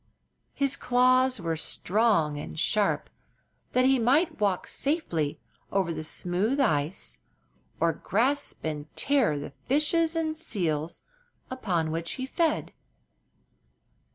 His claws were strong and sharp, that he might walk safely over the smooth ice or grasp and tear the fishes and seals upon which he fed.